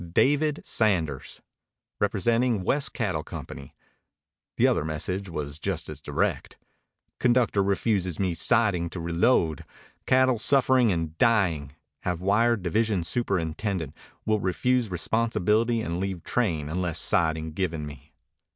DAVID SANDERS Representing West Cattle Company The other message was just as direct. Conductor refuses me siding to reload. Cattle suffering and dying. Have wired division superintendent. Will refuse responsibility and leave train unless siding given me.